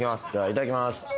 いただきます